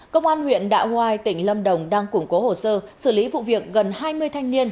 công an huyện đạ hoai tỉnh lâm đồng đang củng cố hồ sơ xử lý vụ việc gần hai mươi thanh niên